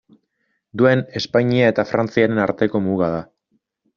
Duen Espainia eta Frantziaren arteko muga da.